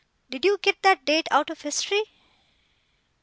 Did you get that date out of history?